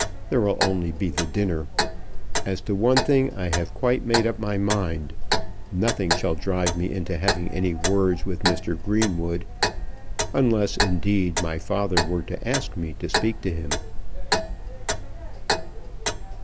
There will only be the dinner. As to one thing I have quite made up my mind. Nothing shall drive me into having any words with Mr. Greenwood; unless, indeed, my father were to ask me to speak to him."